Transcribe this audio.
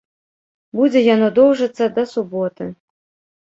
Будзе яно доўжыцца да суботы.